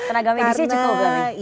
tenaga medisnya cukup gak nih